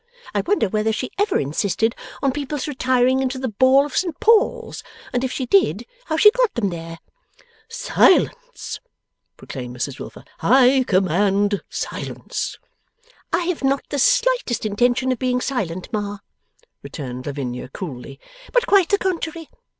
I wonder whether she ever insisted on people's retiring into the ball of St Paul's; and if she did, how she got them there!' 'Silence!' proclaimed Mrs Wilfer. 'I command silence!' 'I have not the slightest intention of being silent, Ma,' returned Lavinia coolly, 'but quite the contrary.